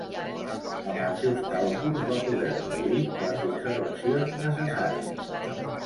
Amb els seus càlculs, va poder reduir les observacions necessàries.